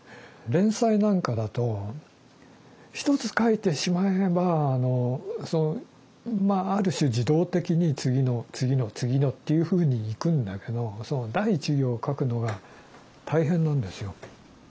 連載なんかだと一つ書いてしまえばまあある種自動的に次の次の次のっていうふうにいくんだけどその第１行を書くのが大変なんですよ。